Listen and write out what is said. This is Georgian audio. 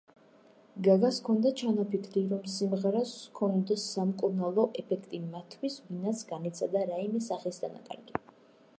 გაგას ჰქონდა ჩანაფიქრი, რომ სიმღერას ჰქონოდა სამკურნალო ეფექტი მათთვის ვინაც განიცადა რაიმე სახის დანაკარგი.